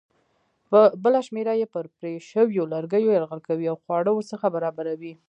بله شمېره یې پر پرې شویو لرګیو یرغل کوي او خواړه ورڅخه برابروي.